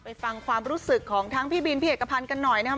ฟังความรู้สึกของทั้งพี่บินพี่เอกพันธ์กันหน่อยนะครับ